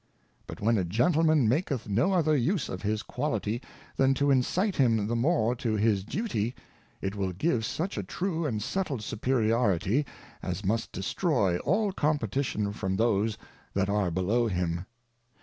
But when a Gentleman maketh no other use of his Quality, than to incite him the more to his Duty, it will give such a true and settled Superiority, as must destroy all Competition from those that are below him.